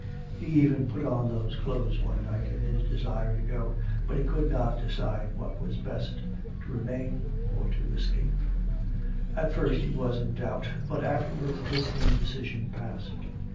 He even put on those clothes one night in his desire to go, but he could not decide what was best to remain or to escape. At first he was in doubt, but afterwards this indecision passed.